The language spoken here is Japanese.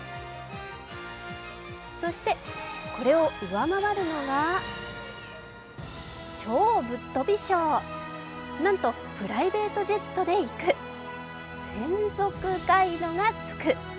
そして、これを上回るのが超ぶっとび賞、なんとプライベートジェットで行く専属ガイドがつく。